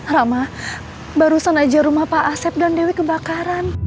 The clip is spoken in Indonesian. rama barusan aja rumah pak asep dan dewi kebakaran